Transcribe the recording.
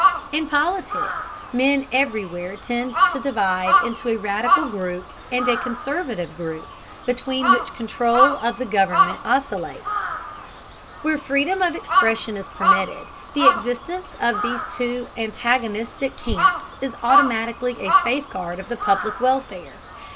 In politics men everywhere tend to divide into a radical group and a conservative group, between which control of the government oscillates. Where freedom of expression is permitted, the existence of these two antagonistic camps is automatically a safeguard of the public welfare.